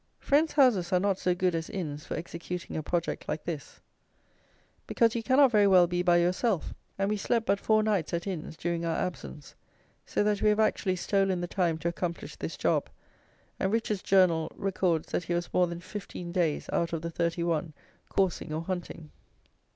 Friends' houses are not so good as inns for executing a project like this; because you cannot very well be by yourself; and we slept but four nights at inns during our absence. So that we have actually stolen the time to accomplish this job, and Richard's Journal records that he was more than fifteen days out of the thirty one coursing or hunting.